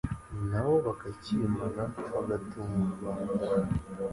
Nabo bakacyimana, Bagatunga u Rwanda.